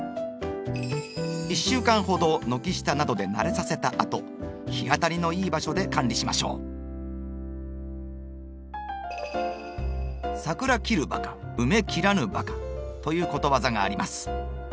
１週間ほど軒下などで慣れさせたあと日当たりの良い場所で管理しましょう。ということわざがあります。